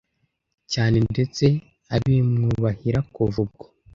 cyane ndetse abimwubahira kuva ubwo